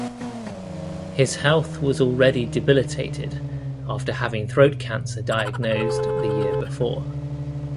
His health was already debilitated after having throat cancer diagnosed the year before.